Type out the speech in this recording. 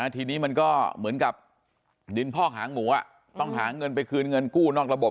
ทีนี้มันก็เหมือนกับดินพอกหางหมูต้องหาเงินไปคืนเงินกู้นอกระบบ